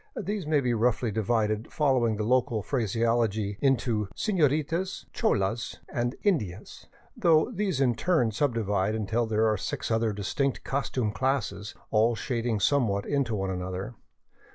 These may be roughly divided, following the local phraseology, into senoritas," " cholas," and " indias "; though these in turn subdivide, until there are six rather distinct costume classes, all shading some what into one another.